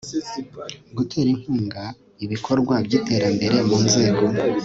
gutera inkunga ibikorwa by iterambere mu nzego